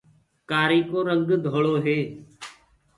ڪآري ڪو رنگ ڌݪو هي۔